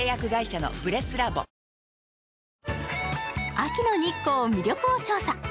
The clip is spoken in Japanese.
秋の日光の魅力を調査。